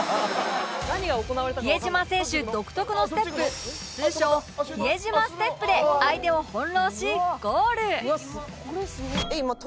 比江島選手独特のステップ通称ヒエジマステップで相手を翻弄しゴール！